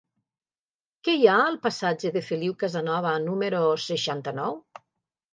Què hi ha al passatge de Feliu Casanova número seixanta-nou?